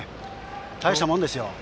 たいしたもんですよ。